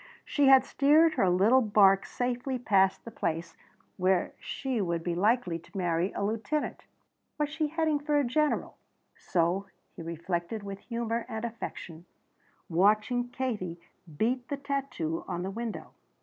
She had steered her little bark safely past the place where she would be likely to marry a lieutenant. Was she heading for a general? So he reflected with humor and affection, watching Katie beat the tattoo on the window.